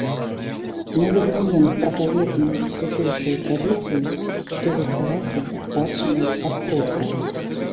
Мы вызнаем пракаветную тутэйшую традыцыю, што засталася спадчынай ад продкаў.